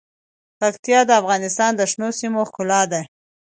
پکتیا د افغانستان د شنو سیمو ښکلا ده.